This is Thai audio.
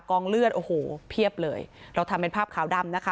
เลือดโอ้โหเพียบเลยเราทำเป็นภาพขาวดำนะคะ